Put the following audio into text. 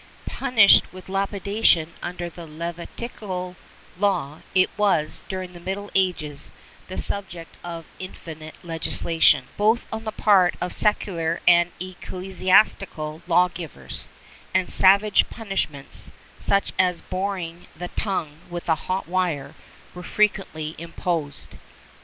Punished with lapidation under the Levitical law, it was, durmg the Middle Ages, the subject of infinite legislation, both on the part of secular and ecclesiastical lawgivers, and savage punishments, such as boring the tongue with a hot wire, were frequently imposed.